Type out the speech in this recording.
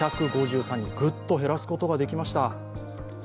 ぐっと減らすことができました。